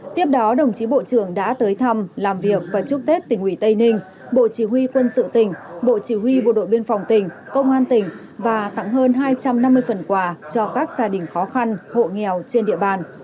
tiếp đó đồng chí bộ trưởng đã tới thăm làm việc và chúc tết tỉnh ủy tây ninh bộ chỉ huy quân sự tỉnh bộ chỉ huy bộ đội biên phòng tỉnh công an tỉnh và tặng hơn hai trăm năm mươi phần quà cho các gia đình khó khăn hộ nghèo trên địa bàn